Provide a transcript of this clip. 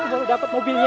aku baru dapet mobilnya